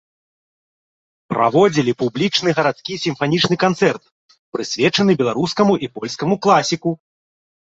Праводзілі публічны гарадскі сімфанічны канцэрт, прысвечаны беларускаму і польскаму класіку.